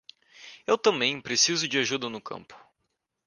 Eu também preciso de ajuda no campo.